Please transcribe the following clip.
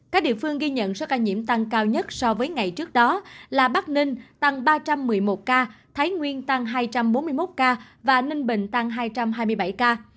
các địa phương ghi nhận số ca nhiễm tăng cao nhất so với ngày trước đó là bắc ninh tăng ba trăm một mươi một ca thái nguyên tăng hai trăm bốn mươi một ca và ninh bình tăng hai trăm hai mươi bảy ca